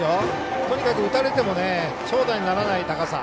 とにかく打たれても長打にならない高さ。